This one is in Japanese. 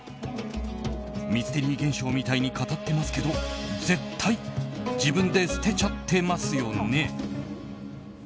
ミステリー現象みたいに語ってますけど絶対、自分で捨てちゃってますよね？